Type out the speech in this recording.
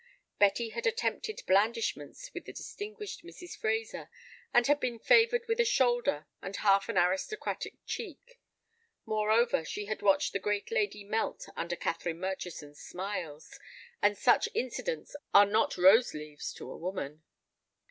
Betty had attempted blandishments with the distinguished Mrs. Fraser, and had been favored with a shoulder and half an aristocratic cheek. Moreover, she had watched the great lady melt under Catherine Murchison's smiles, and such incidents are not rose leaves to a woman.